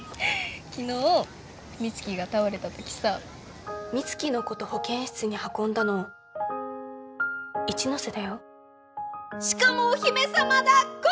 昨日美月が倒れたときさ美月のこと保健室に運んだの一ノ瀬だよしかもお姫様だっこ！